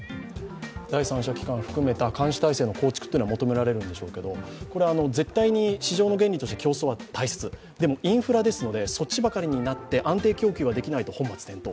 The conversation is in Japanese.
第三者機関を含めた公的機関を設置することが求められるんでしょうけど、絶対に市場の原理として競争は大切、でも、インフラですので、そっちばかりに安定供給ができないと本末転倒。